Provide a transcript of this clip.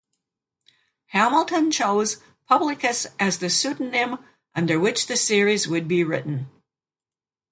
Hamilton chose "Publius" as the pseudonym under which the series would be written.